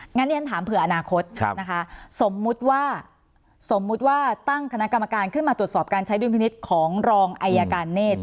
งั้นเรียนถามเผื่ออนาคตนะคะสมมุติว่าสมมุติว่าตั้งคณะกรรมการขึ้นมาตรวจสอบการใช้ดุลพินิษฐ์ของรองอายการเนธ